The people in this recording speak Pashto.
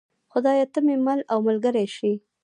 خدایه ته مې مل او ملګری شې.